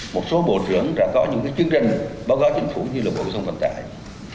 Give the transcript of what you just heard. một số bộ trưởng đã có những chương trình báo cáo chính phủ như là bộ thông vận tải